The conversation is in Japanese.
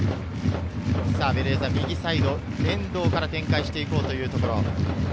ベレーザ、右サイドから展開していこうというところ。